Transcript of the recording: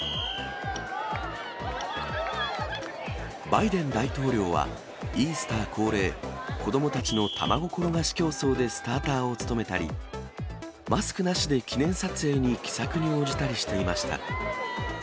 バイデン大統領は、イースター恒例、子どもたちの卵転がし競争でスターターを務めたり、マスクなしで記念撮影に気さくに応じたりしていました。